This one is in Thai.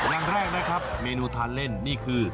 อย่างแรกนะครับเมนูทานเล่นนี่คือ